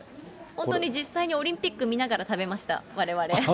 本当に実際にオリンピック見ながら食べました、われわれ。